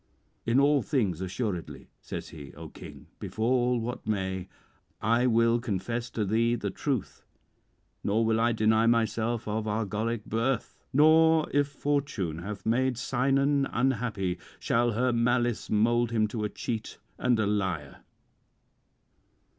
'"In all things assuredly," says he, "O King, befall what may, I will confess to thee the truth; nor will I deny myself of Argolic birth this first nor, if Fortune hath made Sinon unhappy, shall her malice mould him to a cheat and a liar.